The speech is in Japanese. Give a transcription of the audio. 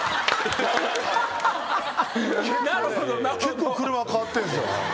結構車変わってんすよ。